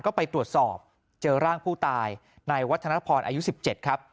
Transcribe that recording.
ก็ไปตรวจสอบเจอร่างผู้ตายในวัฒนพรอายุ๑๗ครับ